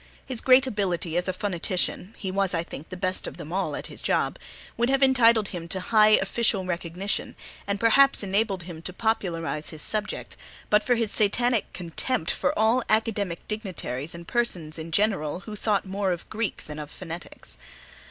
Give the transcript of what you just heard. His great ability as a phonetician (he was, I think, the best of them all at his job) would have entitled him to high official recognition, and perhaps enabled him to popularize his subject, but for his Satanic contempt for all academic dignitaries and persons in general who thought more of Greek than of phonetics.